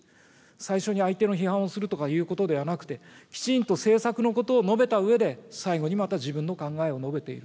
最初に相手の批判をするとかいうことではなくて、きちんと政策のことを述べたうえで、最後にまた自分の考えを述べている。